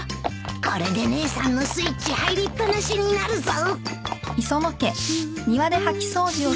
これで姉さんのスイッチ入りっぱなしになるぞ